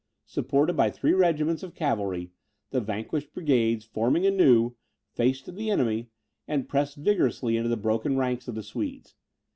Supported by three regiments of cavalry, the vanquished brigades, forming anew, faced the enemy, and pressed vigorously into the broken ranks of the Swedes.